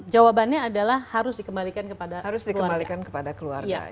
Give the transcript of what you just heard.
jawabannya adalah harus dikembalikan kepada keluarga